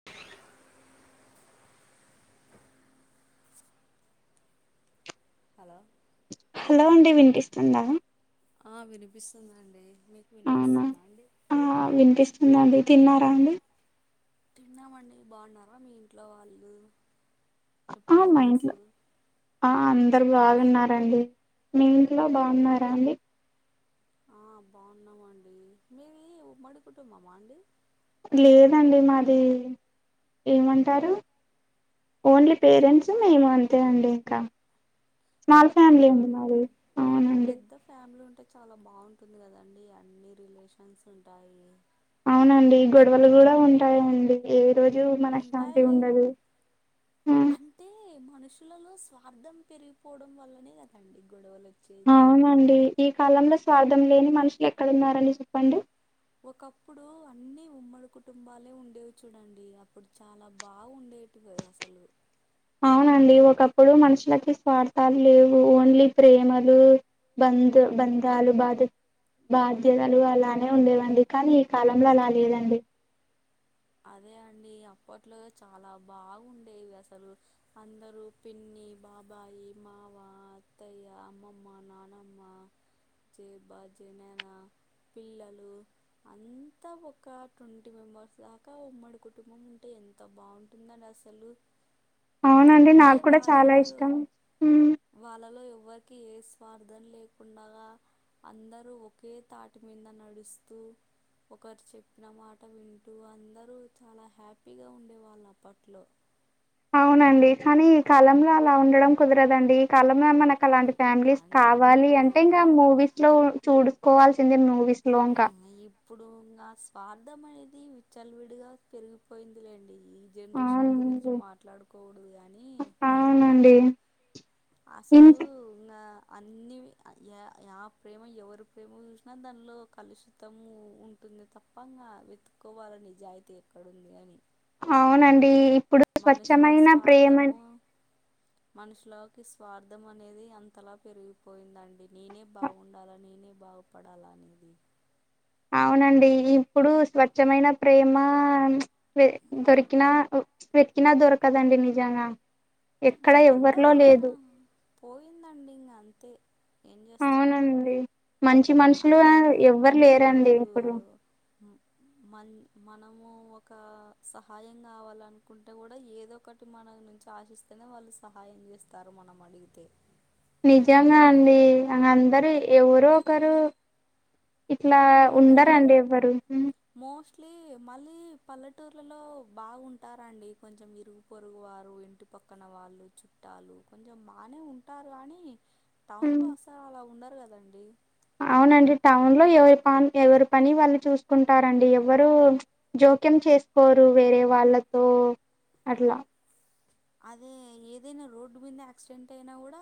[unintelligible] Hello hello అండి వినిపిస్తుందా ఆ వినిపిస్తుందండి మీకు వినిపిస్తుందా అండి ఆ వినిపిస్తుందండి తిన్నారా అండి తిన్నామండి బాగున్నారా మీ ఇంట్లో వాళ్ళు ఆమ్ మా ఇంట్లో ఆ అందరు బాగున్నారు అండి మీ ఇంట్లో బాగున్నారా అండి ఆ బాగున్నామండి మీది ఉమ్మడి కుటుంబమా అండి లేదండి మాది ఏమంటారు ఓన్లీ పేరెంట్స్ మేము అంతే అండి ఇంకా స్మాల్ ఫ్యామిలీ అండి మాది అవునండి ఫ్యామిలీ ఉంటే చాలా బాగుంటుంది కదండి అన్నీ రిలేషన్స్ ఉంటాయి అవునండి గొడవలు కూడా ఉంటాయండి ఏ రోజు మనకి హ్యాపీ ఉండదు అంటే మనుషులలో స్వార్థం పెరిగిపోవడం వల్లనే కదండి గొడవలు అవునండి ఈ కాలంలో స్వార్థం లేని మనుషులు ఎక్కడున్నారని చెప్పండి ఒకప్పుడు అన్ని ఉమ్మడి కుటుంబాలే ఉండేవి చూడండి అప్పుడు చాలా బాగుండే ఉండే అసలు అవునండి ఒకప్పుడు మనుషులకి స్వార్థాలు లేవు ఓన్లీ ప్రేమలు బంద్ బందాలు బాధ్యత బాధ్యతలు అలానే ఉండేవండి కానీ ఈ కాలంలో అలా లేదండి అదే అండి అప్పట్లో చాలా బాగుండేవి అసలు అందరు పిన్ని బాబాయి మావ అత్తయ్య అమ్మమ్మ నానమ్మ చ్చే బ చేనన పిల్లలు అంతా ఒక్క ట్వంటీ మెంబర్స్ దాకా ఉమ్మడి కుటుంబం ఉంటే ఎంత బావుంటుందండి అసలు అంటే వాళ్ళలో వాళ్ళలో ఎవ్వరికి ఏ స్వార్థం లేకుండగా అందరు ఒకే తాటి మింద నడుస్తూ ఒకరు చెప్పిన మాట విం టు అందరూ చాలా హ్యాపీగా ఉండేవాళ్ళు అప్పట్లో అవునండి కానీ ఈ కాలంలో అలా ఉండడం కుదరదండి ఈ కాలంలో మనకు అలాంటి ఫ్యామిలీస్ కావాలి అంటే ఇంకా మూవీస్ లో చూడు కోవాల్సిందే మూవీస్ లో ఇంకా ఇప్పుడు ఇంగ స్వార్థం అనేది విచ్చలవిడిగా పెరిగిపోయిందిలేండి జన్రేషన్ గురించి మాట్లాడుకోడదు కానీ అవునండి అసలు నా అన్నీ ఆ య య ప్రేమ ఎవరి ప్రేమో చూసినా దానిలో కలుషితము ఉంటుంది తప్ప ప్పంగా వెతుక్కోవాలని జాయితీ ఎక్కడుంది అని అవునండీ మనుషుల స్వార్థము మనుషులోకి స్వార్థం అనేది అంతలా పెరిగిపోయిందండి నేనే బాగుండాల నేనే బాగు పడాలానేది అవునండి ఇప్పుడు స్వచ్ఛమైన ప్రేమా వె దొరికినా వెతికినా దొరకదండి నిజంగా ఎక్కడ ఎవ్వరిలో లేదు పోయిందండి ఇంగ అంతే ఏం చేస్తాం అంతేంగ ఇప్పుడు మ్ మల్ మనము ఒక సహాయం కావాలనుకుంటే కూడా ఏదో ఒక తు మన నుంచి ఆశిస్తేనే వాళ్ళు సహాయం చేస్తారు మనం అడిగితే నిజంగా అండి అ అందరు ఎవరు ఒకరు ఇట్లా ఉండరండి ఎవ్వరు మోస్ట్లీ మళ్ళీ పల్లెటూర్లలో బావుటరా అండి కొంచెం ఇరు పొరుగువారు ఇంటి పక్కన వాళ్ళు చుట్టాలు కొంచెం బానే ఉంటారు కానీ టౌన్ లో అస అలా ఉండరు కదండి అవునండి టౌన్ లో ఎవరి పా ఎవరి పని వాళ్ళు చూసుకుంటారండి ఎవ్వరు జోక్యం చేసుకోరు వేరే వాళ్ళతో అట్లా అదే ఏదైనా రోడ్డు మింద యాక్సిడెంట్ అయినా కూడా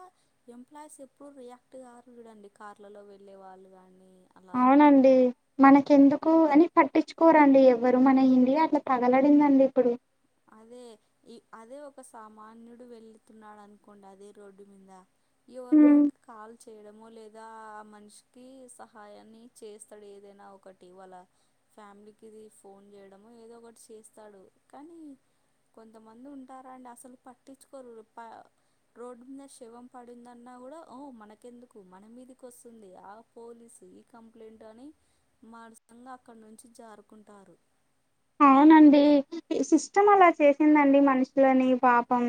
ఎంప్లాయీస్ ఎప్పుడు రియాక్ట్ గారు చడండి కార్లలో వెళ్లే వాళ్ళు కాని అవునండి మనకెందుకు అని పట్టించుకోరండి ఎవ్వరు మన ఇండియా అట్లా తగలడిందండి ఇప్పుడు అదే ఈ అదే ఒక సామాన్యుడు వెళుతున్నాడు అనుకోండి అదే రోడ్డు మీద ఎవరికోరికి కాల్ చేయడము లే ఇదా మనిషికి సహాయాన్ని చేస్తాడు ఏదైనా ఒకటి వాళ్ళ ఫ్యామిలీకి ఇది ఫోన్ చేయడము ఏదో ఒకటి చేస్తాడు కానీ కొంతమంది ఉంటారండి అసలు పట్టించుకోరు ప రోడ్డు మీద శవం పడిందన్నా గూడా ఒ మనకెందుకు మన మీది కోసుంది ఆ పోలీసు ఈ కంప్లైంట్ అని మారుస్తున్న అక్కనుంచి జారుకుంటారు అవునండి ఈ సిస్టం అలా చేసిందండి మనుషులని పాపం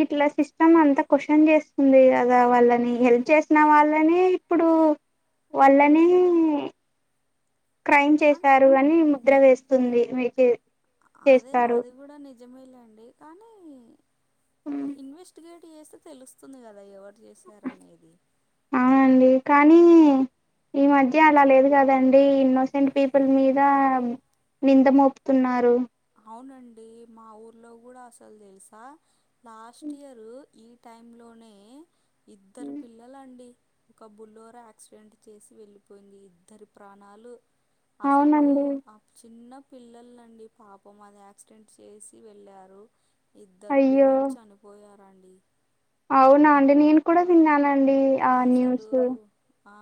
ఇట్లా సిస్టమ్ అంతా కోషన్ జేస్తుంది కదా వాళ్ళని హెల్ప్ చేసిన వాళ్ళని ఇప్పుడూ వాళ్లనీ క్రైమ్ చేసారు అని ముద్ర వేస్తుంది మీటి చేస్తారు నిజమే లే అండి కానీ ఇన్వెస్టిగేట్ జెసి తెలుస్తుంది గదా ఎవరు జేసారు అనేది ఆ అండి కానీ ఈ మధ్య అలా లేదు గాదండి ఇన్నోసెంట్ పీపుల్ మీదా నింద మోపుతున్నారు. అవునండి మా ఊర్లో గూడా అసల్ దెల్సా లాస్ట్ ఇయరూ ఈ టైమ్ లోనే ఇద్దరు పిల్లల అండి ఒక బుల్లర యాక్సిడెంట్ చేసి వెళ్ళలిపోయింది ఇద్దరి ప్రాణాలు అసలూ ఆ చిన్న పిల్లల్నండి పాపం అది యాక్సిడెంట్ చేసి వెళ్ళారు ఇద్దరు పిల్లలు చని పోయారాండి. అవునా అండి నేను కూడా తిన్నానండి. అసలూ ఆ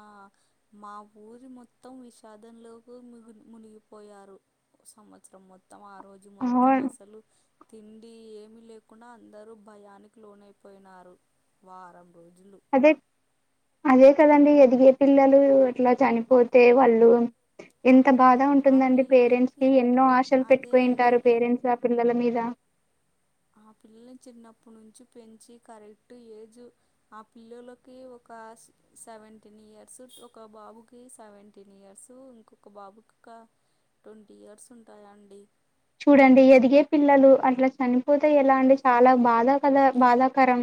మా ఊరి మొత్తం విషాదంలోకు మున్ మునిగిపోయారు. సంవత్సరం మొత్తం ఆ రోజు మొత్తం అసలు తిండీ ఏమి లేకుండా అందరూ భయానికి లోనైపోయినారు వారం రోజులు అదే అదే కదండి ఎదిగే పిల్లలు అట్లా చనిపోతే వాళ్ళు ఎంత బాదా ఉంటుందండి పేరెంట్స్కి ఎన్నో ఆశలు పెట్టిపేయింటారు పేరెంట్స్ పిల్లల మీద ఆ పిల్లల్ని చిన్నప్పు నుంచి పెంచి కరెక్ట్ ఏజ్ ఆ పిల్లోలకి ఒక సెవెంటీన్ ఇయర్సు ఒక బాబుకి సెవెంటీన్ ఇయర్సు ఇంకొక బాబుకి ఒక టోంటి ఇయర్స్ ఉంటాయి అండి చూడండి ఎదిగే పిల్లలు అట్లా చనిపోతే ఎలా అండి చాలా బాధ కదా బాధాకరం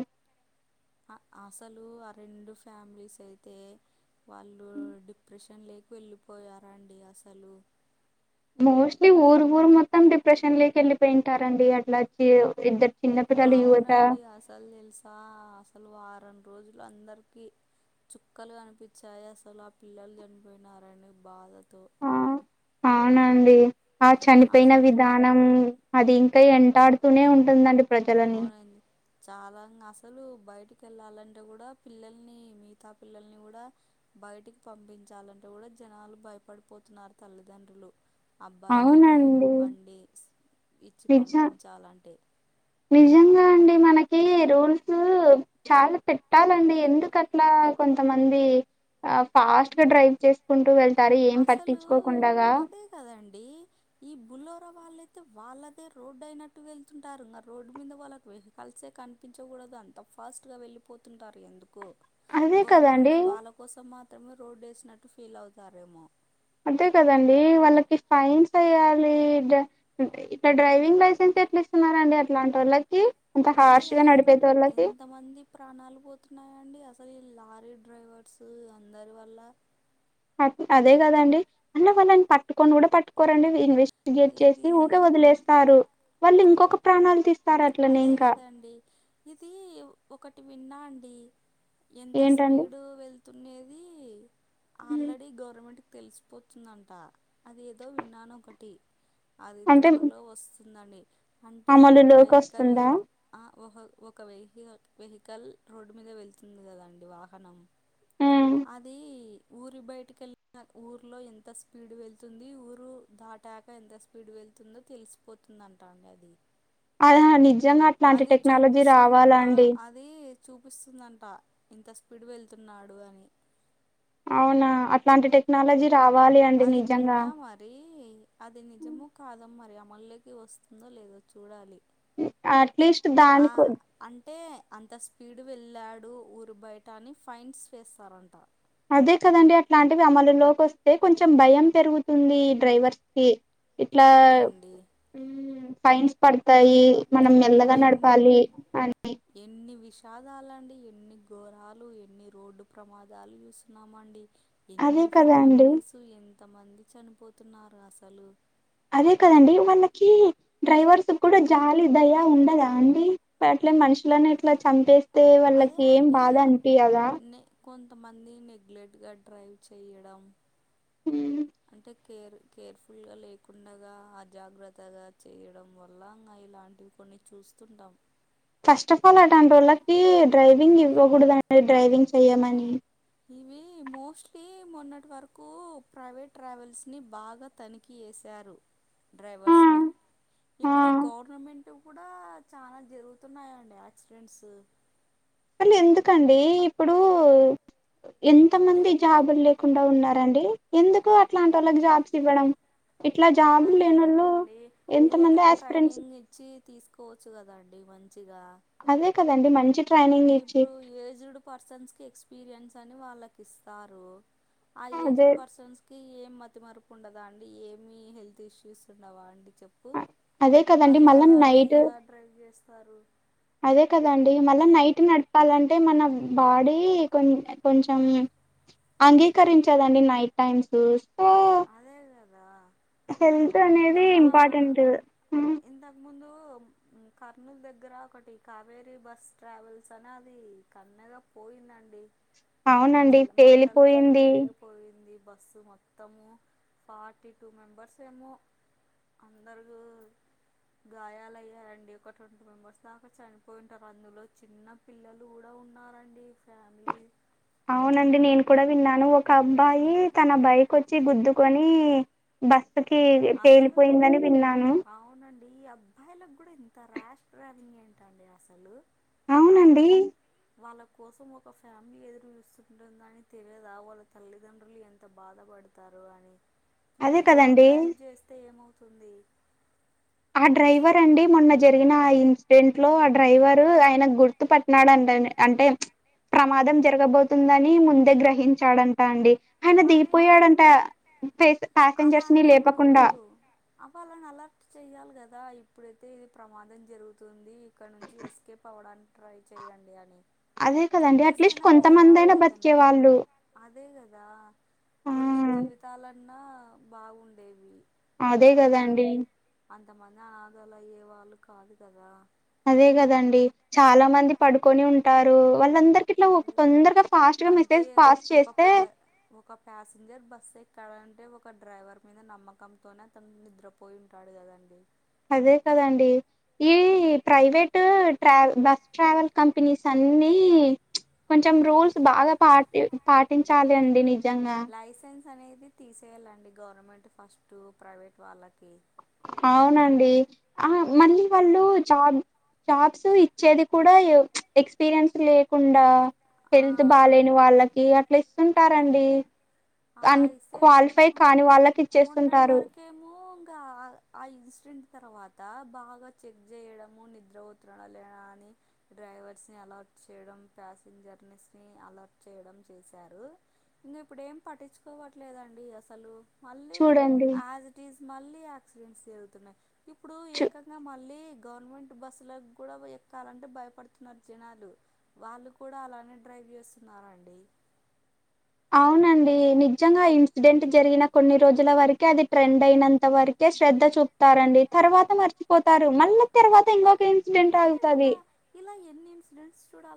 ఆ అసలు ఆ రెండు ఫ్యామిలీస్ అయితే వాళ్ళు డిప్రెషన్ లేకి వెళ్ళిపోయారాండి అసలు మోస్ట్లీ ఊరు ఊరు మొత్తం డిప్రెషన్ లేకి ఎళ్ళిపోయింటారండి అట్లా ఇవ్ ఇద్దరు చిన్నపిల్లలు యువత కాసల్ తెల్స్ ఆ అసలు వారం రోజులు అందరికీ చుక్కలు గనిపించాయి అసలు ఆ పిల్లలు చనిపోయినారనే బాధతో అవునండి ఆ చనిపోయ్నా విధానం అది ఇంకా ఎంటాడుతూనే ఉంటుందండి అవునండి చాలా అంగ అసలు బైటికేళ్ళాలంటే గుడ పిల్లల్ని మితా పిల్లల్ని గూడా బైటికి పంపించాలంటే కూడా జనాలు భయపడిపోతున్నారు తల్లిదండ్రులు అబ్బాయిలని బండి స్ ఇచ్చి పంపించాలంటే నిజంగా అండి మనకి రూల్సు చాలా పెట్టాలండి ఎందుకట్లా కొంతమంది ఆ ఫాస్ట్ గా డ్రైవ్ చేస్ కుంటూ వెళ్తారు ఏం పట్టించుకోకుండాగా కదండి ఈ బుల్లోర వాళ్ళయితే వాళ్ళదే రోడ్డు అయినట్టు వెళ్తుంటారు ఇంగా రోడ్డు మీద వాళ్ళకి వే కలిసే కనిపించకూడదు అంత ఫాస్ట్ గా వెళ్ళిపోతుంటారు ఎందుకో గవర్నమెంట్ వాళ్ళ కోసం మాత్రమే రోడ్డు వేసినట్టు ఫీల్ అవుతారేమో అదే కదండి వాళ్ళకి ఫైన్స్ యేయ్యాలి గా ఇట్లా డ్రైవింగ్ లైసెన్స్ ఎట్లా ఇస్తున్నారాండి అట్లాంటొళ్ళకి అంత హార్ష్ గా నడిపేటొళ్ళాకి ఆ మంది ప్రాణాలు పోతున్నాయండి అసలు ఈ లారీ డ్రైవర్స్ అందరి వల్ల ఆ అదే కాదండి అయిన వాళ్ళని పట్టుకొను కూడా పట్టుకోరండి ఇన్వెస్ట్ చేసి ఉరికే వదిలేస్తారు వాళ్ళు ఇంకొక ప్రాణాలు తీసి అదే కదాండి ఇది ఒకటి విన్నా అండి ఎంత స్పీడు వెళ్ తునేది ఆల్రెడీ గవర్నమెంట్ తెలిసిపోతుందంటా అది ఏదో విన్నాను ఒకటి అది త్వరలో వస్తుందండి అంటే ఒక వెహికల్ ఆ ఓహో ఒక వెహి వెహికల్ రోడ్డు మీద వెళ్తుంది కదాండి వాహనం అది ఊరి బయటకి వెళ్ళిన ఊరిలో ఎంత స్పీడ్ వెళ్తుంది ఊరు దాటాక ఎంత స్పీడు వెళ్తుందో తెలిసిపోతుందంటా అండి అది అదా నిజంగా అట్లాంటి టెక్నాలజీ రావాలా అండి అది చూపిస్తుందంటా ఇంత స్పీడ్ వెళ్తున్నాడు అని అవునా అట్లాంటి టెక్నాలజీ రావాలి అండి నిజంగా అది నిజమో కాదో మరి అమల్లోకి వస్తుందో లేదో చూడాలి అట్లీస్ట్ దానుకు అంటే అంత స్పీడ్ వెళ్ళాడు ఊరు బయట అని ఫైన్స్ వేస్తారంట అదే కదండి అట్లాంటివి అమలులోకి వస్తే కొంచెం భయం పెరుగుతుంది ఈ డ్రైవర్స్ కి ఇట్లా ఫైన్స్ పడతాయి మనం మెల్లగా నడపాలి అని ఎన్ని విషాదాలండి ఎన్ని ఘోరాలు ఎన్ని రోడ్డు ప్రమాదాలు చూస్తున్నాము అండి ఎన్ని ఫ్యామిలీ స్ ఎంతమంది చనిపోతున్నారు అసలు అదే కదండి వాళ్ళాకి డ్రైవర్స్ కూడా జాలి దయా ఉండదా అండి అట్లే మనుషులను ఇట్లా చంపేసి తే వాళ్ళకి ఏం బాధ అనిపియాద కొంతమంది నెగ్లెట్గా డ్రైవ్ చేయడం ఉను అంటే కేర్ కేర్ ఫుల్ గా లేకుండాగా అజాగ్రత్తగా చేయడం వల్ల ఇంగా ఇలాంటివి కొన్ని చూస్తుంటాం ఫస్ట్ ఆఫ్ ఆల్ అటాంటోళ్ళకి డ్రైవింగ్ ఇవ్వకూడదండి డ్రైవింగ్ చెయ్యమని ఇవి మోస్ట్ లీ మొన్నటి వరకు ప్రైవేట్ ట్రావెల్స్ ని బాగా తనిఖీ చేసారు డ్రైవర్స్ నీ ఇప్పుడు గవర్నమెంట్ కూడా చాలా జరుగుతున్నాయండి యాక్సిడెంట్స్ అట్ల ఎందుకండి ఇప్పుడు ఎంత మంది జాబులు లేకుండా ఉన్నారండి ఎందుకు అట్లాంటి వాళ్ళకి జాబ్స్ ఇవ్వడం ఇట్లా జాబులు లేనోళ్ళు ఎంత మంది యాస్పిరెంట్స్ చ్చి తీసుకోవచ్చు కదండి మంచిగా అదే కదండి మంచి ఇప్పుడు ఏజ్డ్ పర్సన్స్కి ఎక్స్పీరియన్స్ అని వాళ్ళకి ఇస్తారు ఆ ఏజ్డ్ పర్సన్స్ కి ఏం మతిమరపు ఉండదా అండి ఏమి హెల్త్ ఇష్యూస్ ఉండవా అండి చెప్పు వాళ్ళు అలాగే ఇలా డ్రైవ్ చేస్తారు అదే కదండి మళ్ళ నైట్ నడపాలంటే మన బాడీ కొన్ కొంచెం అంగీకరించదండి నైట్ టైమ్స్ చూస్తే అదే కదా హెల్త్ అనేది ఇంపార్టెంట్ ఆ ముందు కర్నూలు దగ్గర ఒకటి కావేరి బస్ ట్రావెల్స్ అనే అది కన్నగా పోయిందండి చిల్ల మంటలు చేలరేగ్ పోయింది బస్సు మొత్తము ఫార్టీ టూ మెంబర్స్ ఏమో అందరూ గాయాలయ్యాయండి ఒక ట్వంటీ మెంబర్స్ దాకా చనిపోయింటారు అందులో చిన్న పిల్లలు కూడా ఉన్నారండి ఫ్యామిలీ అవునండి నేను కూడా విన్నాను ఒక అబ్బాయి తన బైక్ వచ్చి గుద్దుకొని బస్సుకి పేలిపోయిందని విన్నాను అవునం డి ఈ అబ్బాయిలకు కూడా ఇంత ర్యాష్ ట్రావింగ్ ఏంటండి అసలు అవును వాళ్ళ కోసం ఒక ఫ్యామిలీ ఎదురు చూస్తుంటదని తెలియదా వాళ్ళ తల్లిదండ్రులు ఎంత బాధపడు తారు అని లిమిట్లో డ్రైవ్ చేస్తే ఏమవుతుంది ఆ డ్రైవర్ అండి మొన్న జరిగిన ఆ ఇన్సిడెంట్ లో ఆ డ్రైవర్ ఆయన గుర్ పట్నాడు అంటండి అంటే ప్రమాదం జరగబోతుందని ముందే గ్రహించాడంటా అండి ఆయన దీగిపోయాడంట ప్యాసెంజర్స్ ని లేపకుండా అప్పు అలాని అలర్ట్ చెయ్యాలి కదా ఇప్పుడైతే ఇది ప్రమాదం జరుగుతుంది ఇక్కడ నుంచి ఎస్కేప్ అవ్వడానికి ట్రై చెయండి అని చెప్పేస అయినా పోవాలి అతను అదే కదా కొన్ని జీవితాలన్నా బాగుండేవి అందరూ అంతమంది అనాథాలు అయ్యే వాళ్ళు కాదు కదా అదే కదండి చాలా మంది పడుకొని ఉంటారు వాళ్ళందరి ఇట్లా ఒ తొందరగా ఫాస్ట్ గా మెసేజ్ పాస్ చేస్తే ఒక ప్యాసింజర్ బస్ ఎక్కడంటే ఒక డ్రైవర్ మీద నమ్మకంతోనే అతను నిద్రపో పోయింటాడు కదండి అదే కదండి ఈ ప్రైవేటు ట్ర బస్ ట్రావెల్ కంపెనీస్ అన్ని కొంచెం రూల్స్ బాగా పాటి పాటించాలి అండి నిజంగా లైసెన్స్ అనేది తీసేయాలండి గవర్నమెంట్ ఫస్టు ప్రైవేట్ వాళ్ళకి. అవునండి ఆ మళ్ళీ వాళ్ళు చాన్ షాట్సు ఇచ్చేది కూడా ఏవ్ చ్ ఎక్స్పీరియన్స్ లేకుండా హెల్త్ బాలేని వాళ్ళకి అట్లా ఇస్తుంటారండి అన్ క్వాలిఫై కాని వాళ్ళకి ఇచ్చేస్తుంటారు ఇంకా ఆ ఇన్సిడెంట్ తర్వాత బాగా చెక్ చేయడము నిద్ర పోతున్నాడా లేనా అని. డ్రైవర్స్ని అలర్ట్ చేయడం ప్యాసింజర్స్ని అలర్ట్ చేయడం చేశారు. ఇంకా ఇప్పుడేమ్ పట్టించుకోవట్లేదండి అసలు మళ్ళీ యాజ్ టీస్ మళ్ళీ యాక్సిడెంట్స్ జరుగుతున్నాయి, ఇప్పుడు ఏకంగా మళ్ళీ గవర్నమెంట్ బస్సులకు కూడా పోయి ఎక్కాలంటే భయపడుతున్నారు జనాలు. వాళ్ళు కూడా అలానే డ్రైవ్ చేస్తున్నారండి అవునండి నిజంగా ఇన్సిడెంట్ జరిగిన కొన్ని రోజుల వరకే అది ట్రెండ్ అయినంత వరక్ కే శ్రద్ధ చూపుతారండి తర్వాత మర్చిపోతారు మళ్ళీ తర్వాత ఇంకొక ఇన్ అదే కదా ఇలా ఎన్ని ఇన్సిడెంట్స్ చూడాల్